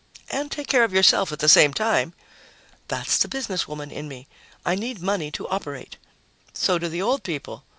"And take care of yourself at the same time." "That's the businesswoman in me. I need money to operate." "So do the old people.